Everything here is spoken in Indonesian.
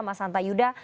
mas hanta yuda